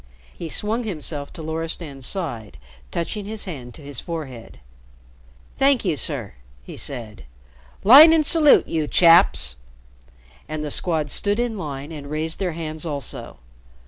He swung himself to Loristan's side, touching his hand to his forehead. "Thank you, sir," he said. "Line and salute, you chaps!" And the Squad stood in line and raised their hands also.